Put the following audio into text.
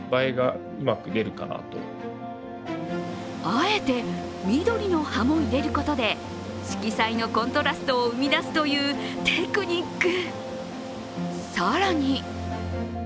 あえて緑の葉も入れることで色彩のコントラストを生み出すというテクニック。